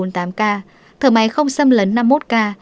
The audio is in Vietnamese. thở máy không xâm lấn năm mươi một ca